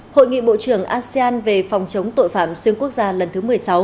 hội nghị bộ trưởng asean về phòng chống tội phạm xuyên quốc gia lần thứ một mươi sáu